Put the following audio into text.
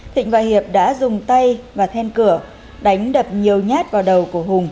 thịnh và hiệp đã dùng tay và then cửa đánh đập nhiều nhát vào đầu của hùng